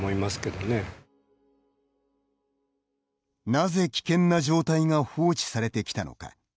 なぜ危険な状態が放置されてきたのか。